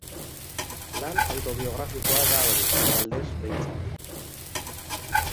Lan autobiografikoa da hori, aldez behintzat.